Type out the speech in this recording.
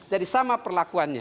jadi sama perlakuannya